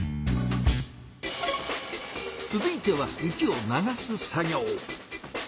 続いては雪を「流す」作業。